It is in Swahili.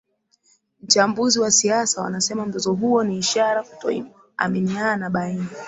mchambuzi wa siasa wanasema mzozo huo ni ishara kutoaminiana baina